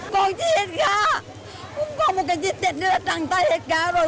không còn gì hết cả không còn một cái gì để đưa trắng tay hết cả rồi